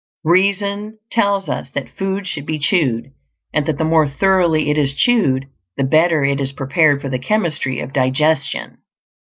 Reason tells us that food should be chewed, and that the more thoroughly it is chewed the better it is prepared for the chemistry of digestion.